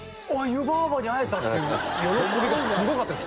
湯婆婆に会えた！っていう喜びがすごかったです